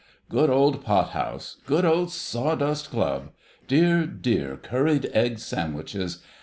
"Good old pot house! Good old Sawdust Club! Dear, dear, curried egg sandwiches!